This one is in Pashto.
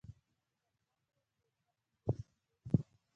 دا په داسې حال کې ده چې ډیری خلک بې وسیلې دي.